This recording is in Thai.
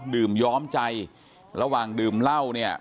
ดื่มย้อมใจระหว่างดื่มเหล้า